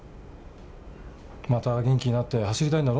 また元気になって走りたいんだろ？